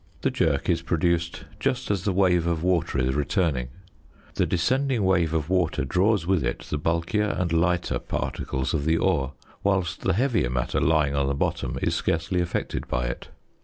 The jerk is produced just as the wave of water is returning. The descending wave of water draws with it the bulkier and lighter particles of the ore, whilst the heavier matter lying on the bottom is scarcely affected by it.